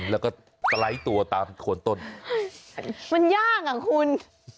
แล้วก็สไลซ์ตัวตามบริโฆษณ์ของโขนต้นมันยากอ่ะคุณ